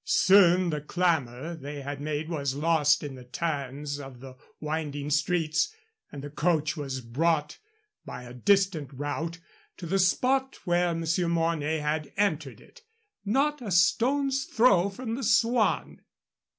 Soon the clamor they had made was lost in the turns of the winding streets, and the coach was brought by a distant route to the spot at which Monsieur Mornay had entered it not a stone's throw from the Swan.